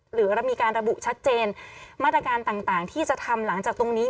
หรือมีการระบุชัดเจนมาตรการต่างที่จะทำหลังจากตรงนี้